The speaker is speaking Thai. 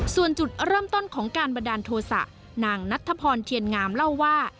ส่วนจุดเริ่มต้นของการบันดาลโทษะนางนัทธพรเทียนงามเล่าว่า